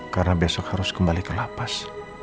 karena besok harus kembali ke lapas